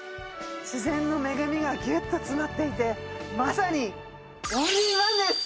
自然の恵みがギュッと詰まっていてまさにオンリーワンです！